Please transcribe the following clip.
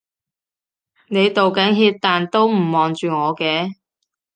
你道緊歉但都唔望住我嘅